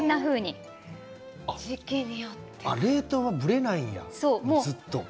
冷凍はぶれないんだずっと。